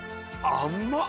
甘っ。